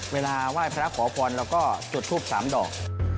เวลาไหว้พระขอพรแล้วก็จุดภูมิสามดอก